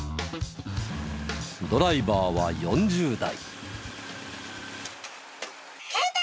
ドライバーは４０代。